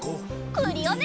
クリオネ！